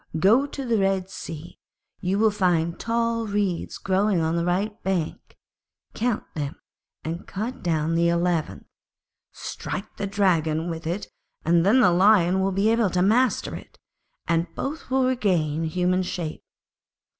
Go to the Red Sea, you will find tall reeds growing on the right bank; count them, and cut down the eleventh, strike the Dragon with it and then the Lion will be able to master it, and both will regain human shape.